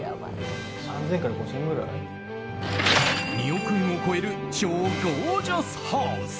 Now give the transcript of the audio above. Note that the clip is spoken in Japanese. ２億円を超える超ゴージャスハウス。